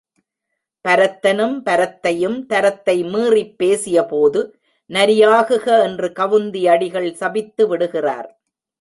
பரத்தனும் பரத்தையும் தரத்தை மீறிப் பேசியபோது, நரியாகுக என்று கவுந்தி அடிகள் சபித்து விடுகிறார்.